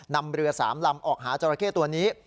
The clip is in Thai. นำเรือ๓ลำออกหาจราเข้ตัวนี้